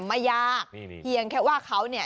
ไม่ยากเพียงแค่ว่าเขาเนี่ย